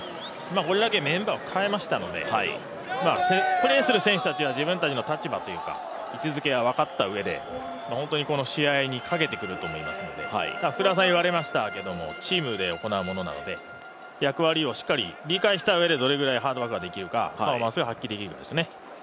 これだけメンバーを代えましたのでプレーする選手たちは自分たちの立場というか位置づけが分かったうえでこの試合にかけてくると思いますので、福田さんが言われましたがチームで行うものなので役割をしっかり理解したうえでどれくらいハードワークができるかですね。